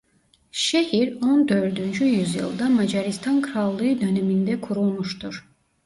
Şehir on dördüncü yüzyılda Macaristan Krallığı döneminde kurulmuştur.